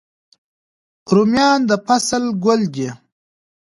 رومیان د فصل ګل دی